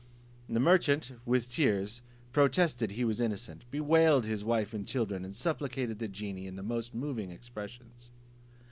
The merchant, with tears, protested he was innocent, bewailed his wife and children, and supplicated the genie, in the most moving expressions.